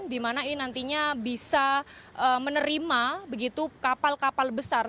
di mana ini nantinya bisa menerima begitu kapal kapal besar